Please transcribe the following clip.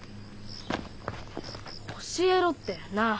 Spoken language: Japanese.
教えろってなあ。